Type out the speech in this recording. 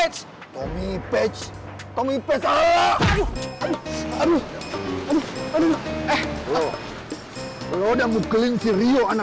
ya obat ut milwaukeeoitern